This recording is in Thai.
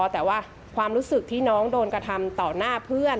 แต่ว่าความรู้สึกที่น้องโดนกระทำต่อหน้าเพื่อน